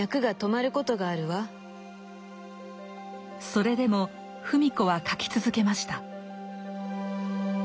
それでも芙美子は書き続けました。